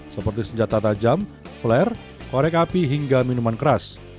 seperti senjata tajam flare korek api hingga minuman keras